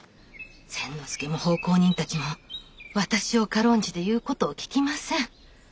仙之助も奉公人たちも私を軽んじて言う事を聞きません。